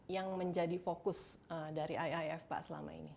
yang menjadi fokus dari iif pak selama ini